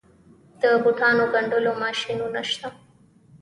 د بوټانو ګنډلو ماشینونه شته